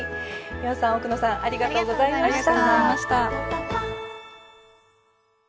丹羽さん奧野さんありがとうございました。